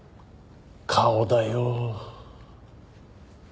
顔だよ。